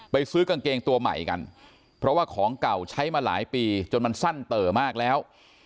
ซื้อกางเกงตัวใหม่กันเพราะว่าของเก่าใช้มาหลายปีจนมันสั้นเต๋อมากแล้ว